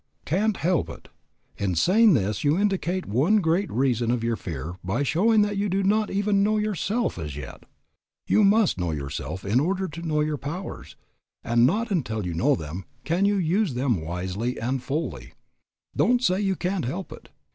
Can't help it! In saying this you indicate one great reason of your fear by showing that you do not even know yourself as yet. You must know yourself in order to know your powers, and not until you know them can you use them wisely and fully. Don't say you can't help it.